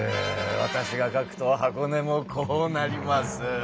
わたしが描くと箱根もこうなります。